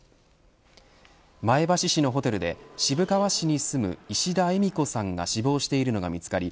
前橋市のホテルで、渋川市に住む石田えみ子さんが死亡しているのが見つかり